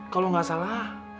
kalau enggak salah